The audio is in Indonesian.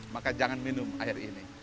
maka jangan minum air ini